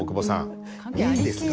いいですか？